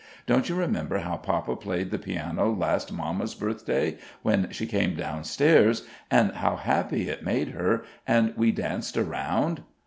Don't you remember how papa played the piano last mamma's birthday when she came down stairs, an' how happy it made her, an' we danced around?"